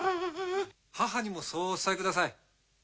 母にもそうお伝えください